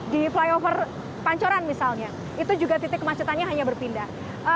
di flyover pancoran misalnya itu juga titik kemacetannya hanya berpindah